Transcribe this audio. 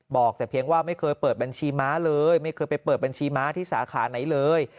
บอกแต่เพียงว่าไม่เคยเปิดบัญชีม้าเลยไม่เคยไปเปิดบัญชีม้าที่สาขาไหนเลย